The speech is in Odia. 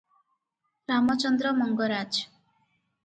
ରାମଚନ୍ଦ୍ର ମଙ୍ଗରାଜ ।